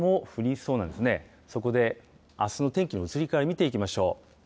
そこであすの天気の移り変わり見ていきましょう。